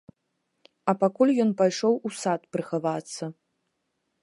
А пакуль ён пайшоў у сад прыхавацца.